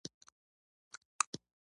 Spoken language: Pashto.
ډاکتر وويل ويې ليکه.